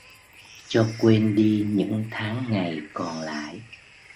Cho quên đi những tháng ngày còn lại